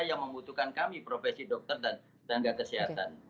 yang membutuhkan kami profesi dokter dan tenaga kesehatan